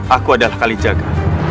aku adalah kali jaga